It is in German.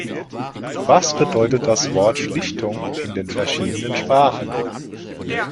Was bedeutet das Wort Schlichtung in den verschiedenen Sprachen?